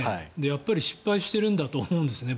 やっぱり失敗しているんだと思うんですね。